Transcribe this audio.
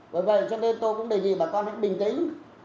vì vậy tôi cũng đề nghị bà con hãy bình tĩnh